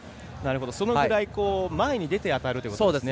そのぐらい前に出て当たるということですね？